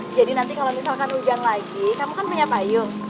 jadi nanti kalo misalkan hujan lagi kamu kan punya payung